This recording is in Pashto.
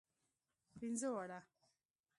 پنځه واړه.